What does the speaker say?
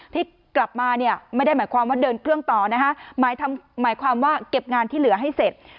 ที่กลับมาเนี่ยไม่ได้หมายความว่าเดินเครื่องต่อนะคะหมายหมายความว่าเก็บงานที่เหลือให้เสร็จ